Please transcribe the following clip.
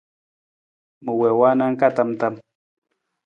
Ma wii waana ka tam tam.